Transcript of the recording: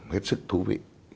hết sức thú vị